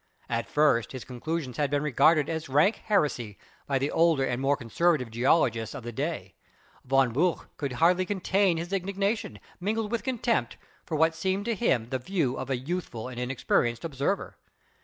At first his conclusions had been regarded as rank heresy by the older and more conservative geologists of the day. Von Buch "could hardly contain his indigna tion, mingled with contempt, for what seemed to him the view of a youthful and inexperienced observer."